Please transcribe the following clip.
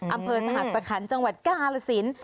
อำเภอสหัสสคันจังหวัดกาลสิน